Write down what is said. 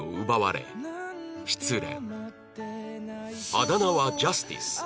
あだ名は「ジャスティス」